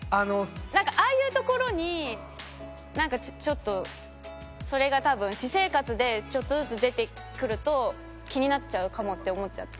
なんかああいうところになんかちょっとそれが多分私生活でちょっとずつ出てくると気になっちゃうかもって思っちゃって。